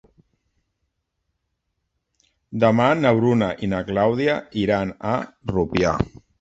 Demà na Bruna i na Clàudia iran a Rupià.